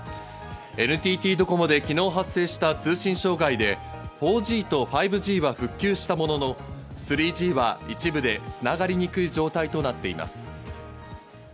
ＮＴＴドコモで昨日発生した通信障害で４Ｇと５Ｇは復旧したものの、３Ｇは一部でつながりにくい状態となっています。